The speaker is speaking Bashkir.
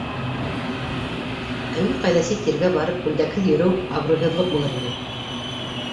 Әллә ҡайҙа сит ергә барып күлдәкһеҙ йөрөү абруйһыҙлыҡ булыр ине.